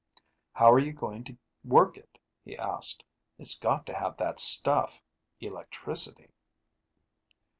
"How are you going to work it?" he asked. "It's got to have that stuff, electricity."